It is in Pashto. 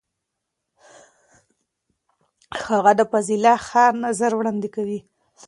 هغه د فاضله ښار نظر وړاندې کوي.